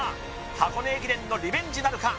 箱根駅伝のリベンジなるか？